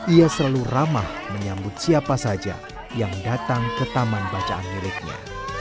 ia selalu ramah menyambut siapa saja yang datang ke taman bacaan miliknya